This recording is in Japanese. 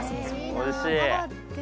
おいしい